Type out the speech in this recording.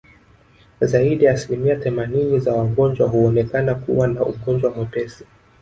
Zaidi ya asilimia themanini za wagonjwa huonekana kuwa na ugonjwa mwepesi